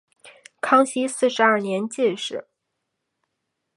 康熙四十二年进士。